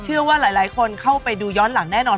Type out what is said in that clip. เชื่อว่าหลายคนเข้าไปดูย้อนหลังแน่นอน